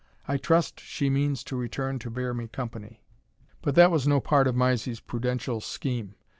I trust she means to return to bear me company." But that was no part of Mysie's prudential scheme.